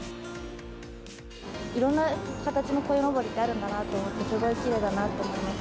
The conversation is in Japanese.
いろんな形のこいのぼりってあるんだなと思って、すごいきれいだなと思います。